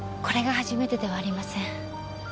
これが初めてではありません。